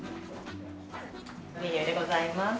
メニューでございます。